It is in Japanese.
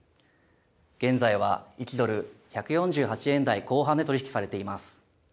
現在は１ドル１４８円台後半で取り引きされています。